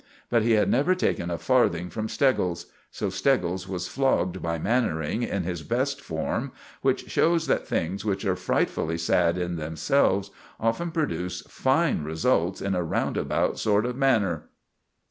But he had never taken a farthing from Steggles. So Steggles was flogged by Mannering in his best form; which shows that things which are frightfully sad in themselves often produce fine results in a roundabout sort of manner.